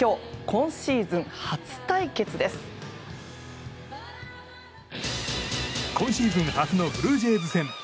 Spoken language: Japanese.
今シーズン初のブルージェイズ戦。